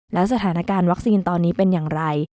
แล้วสถานการณ์วัคซีนตอนนี้เป็นอย่างไร